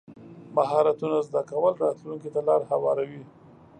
مهارتونه زده کول راتلونکي ته لار هواروي.